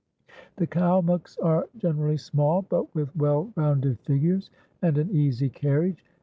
The Kalmuks are generally small, but with well rounded figures and an easy carriage.